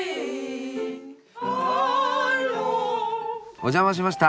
お邪魔しました。